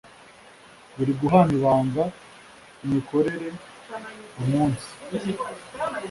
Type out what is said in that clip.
bibiri guhana ibanga, imikorere-munsi